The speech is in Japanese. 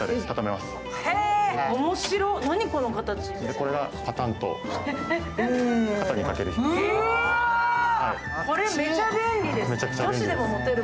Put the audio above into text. これがパタンと肩にかけられる。